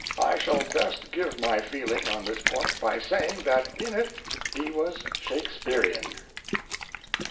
I shall best give my feeling on this point by saying that in it he was Shakespearean."